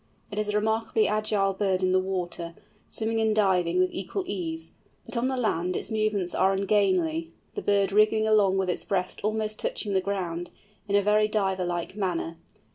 It is a remarkably agile bird in the water, swimming and diving with equal ease, but on the land its movements are ungainly, the bird wriggling along with its breast almost touching the ground, in a very Diver like manner.